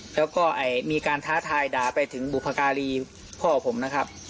แล้วก็มีการท้าทายด่าไปถึงบุพการีพ่อผมนะครับ